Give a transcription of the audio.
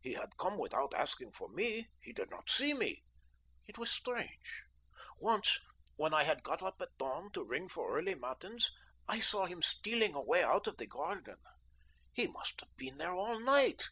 He had come without asking for me. He did not see me. It was strange. Once, when I had got up at dawn to ring for early matins, I saw him stealing away out of the garden. He must have been there all the night.